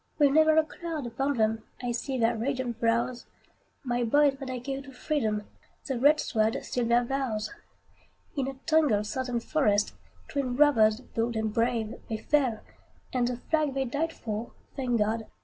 With never a cloud upon them, I see their radiant brows; My boys that I gave to freedom, The red sword sealed their vows! In a tangled Southern forest, Twin brothers bold and brave, They fell; and the flag they died for, Thank God!